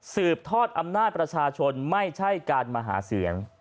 สืบทอดอำนาจประชาชนไม่ใช่การมาหาเสียง